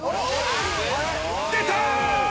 出た！